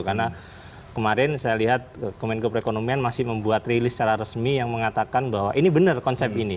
karena kemarin saya lihat kementerian keproekonomian masih membuat rilis secara resmi yang mengatakan bahwa ini benar konsep ini